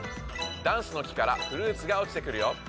ダンスの木からフルーツがおちてくるよ。